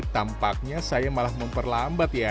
tampaknya saya malah memperlambat ya